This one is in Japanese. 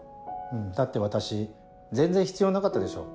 だって私全然必要なかったでしょ。